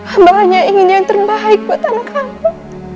hamba hanya ingin yang terbaik buat anak kamu